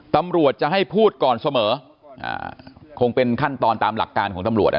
ตำรวจจะให้พูดก่อนเสมอคงเป็นขั้นตอนตามหลักการของตำรวจอ่ะ